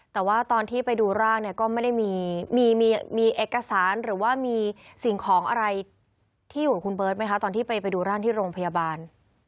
แต่ว่าตอนที่ไปดูร่างเนี่ยก็ไม่ได้มีเอกสารหรือว่ามีสิ่งของอะไรที่อยู่กับคุณเบิร์ตไหมคะตอนที่ไปดูร่างที่โรงพยาบาล